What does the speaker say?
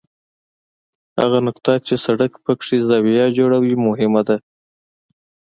هغه نقطه چې سړک پکې زاویه جوړوي مهم ده